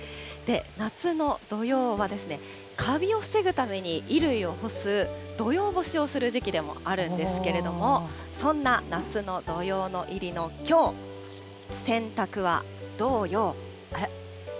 夏の土用は、カビを防ぐために、衣類を干す土用干しをする時期でもあるんですけれども、そんな夏の土用の入りのきょう、あら？